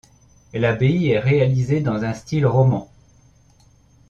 L'abbaye est réalisée dans un style roman.